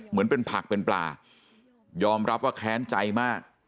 เหมือนเป็นผักเป็นปลายอมรับว่าแค้นใจมาก